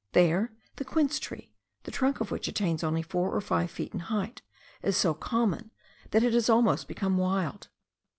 There, the quince tree, the trunk of which attains only four or five feet in height, is so common, that it has almost become wild.